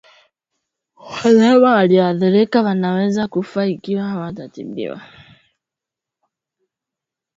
Wanyama walioathirika wanaweza kufa ikiwa hawatatibiwa